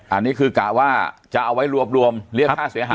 อันนี้คือกะว่าจะเอาไว้รวบรวมเรียกค่าเสียหาย